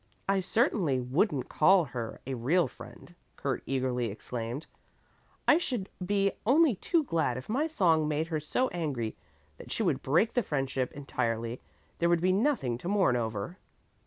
I certainly wouldn't call her a real friend," Kurt eagerly exclaimed. "I should be only too glad if my song made her so angry that she would break the friendship entirely. There would be nothing to mourn over."